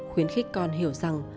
khuyến khích con hiểu rằng